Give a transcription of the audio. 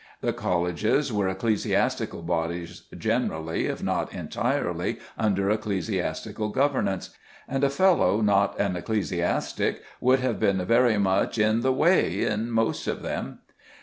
The colleges were ecclesiastical bodies, generally if not entirely under ecclesiastical governance, and a fellow not an ecclesiastic would have been very much in the way at most of them.